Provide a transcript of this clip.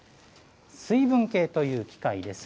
水分計という機械です。